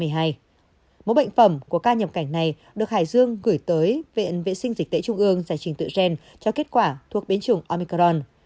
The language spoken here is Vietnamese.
mẫu bệnh phẩm của ca nhập cảnh này được hải dương gửi tới viện vệ sinh dịch tễ trung ương giải trình tự gen cho kết quả thuộc biến chủng omicron